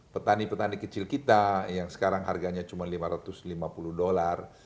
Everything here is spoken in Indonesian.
petani petani kecil kita yang sekarang harganya cuma lima ratus lima puluh dolar